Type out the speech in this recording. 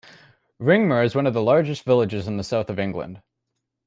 Ringmer is one of the largest villages in the south of England.